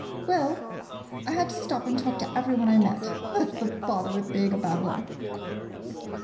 ] Well, I had to stop and talk to every one I met — that 's the bother with being a babbler